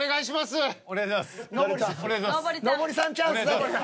野堀さんチャンス。